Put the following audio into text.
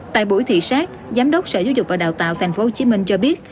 tại buổi thị xác giám đốc sở giáo dục và đào tạo tp hcm cho biết